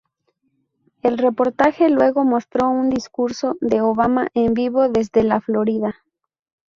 El reportaje luego mostró un discurso de Obama en vivo desde la Florida.